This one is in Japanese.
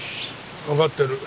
わかってる。